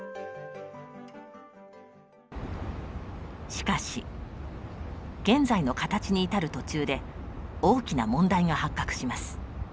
しかし現在の形に至る途中で大きな問題が発覚します。